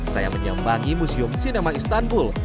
saya menyambangi museum sinema istanbul